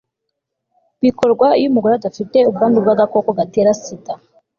bikorwa iyo umugore adafite ubwandu bw'agakoko gatera sida